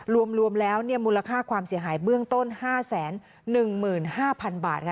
รวมรวมแล้วเนี่ยมูลค่าความเสียหายเบื้องต้นห้าแสนหนึ่งหมื่นห้าพันบาทค่ะ